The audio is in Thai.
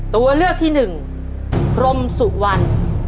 ตัวเลือกที่หนึ่งพรมสุวรรณ